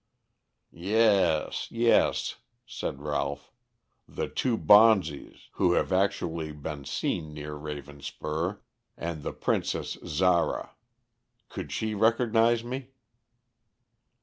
"Yes, yes," said Ralph. "The two Bonzes who have actually been seen near Ravenspur and the Princess Zara. Could she recognize me?"